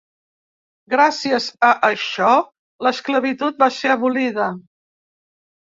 Gràcies a això, l’esclavitud va ser abolida.